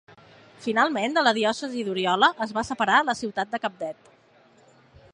Finalment, de la diòcesi d'Oriola es va separar la ciutat de Cabdet.